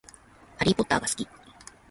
ハリーポッターが好き